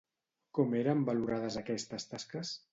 Com eren valorades aquestes tasques?